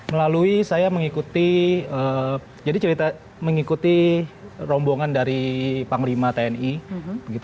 melalui saya mengikuti jadi cerita mengikuti rombongan dari panglima tni